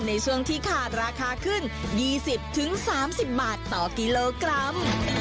ในช่วงที่ขาดราคาขึ้น๒๐๓๐บาทต่อกิโลกรัม